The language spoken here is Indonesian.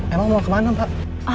emang mau kemana mbak